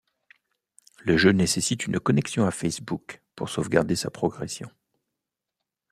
Le jeu nécessite une connexion à Facebook pour sauvegarder sa progression.